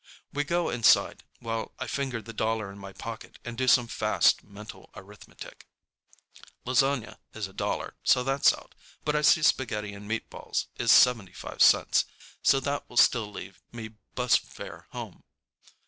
We go inside, while I finger the dollar in my pocket and do some fast mental arithmetic. Lasagna is a dollar, so that's out, but I see spaghetti and meat balls is seventy five cents, so that will still leave me bus fare home.